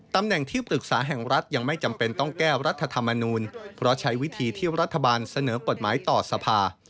ตำแหน่งที่ปรึกษาแห่งรัฐยังไม่จำเป็นต้องแก้รัฐธรรมนูลเพราะใช้วิธีที่รัฐบาลเสนอกฎหมายต่อสภา